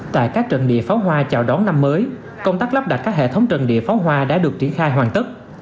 tại các trận địa pháo hoa chào đón năm mới công tác lắp đặt các hệ thống trận địa pháo hoa đã được triển khai hoàn tất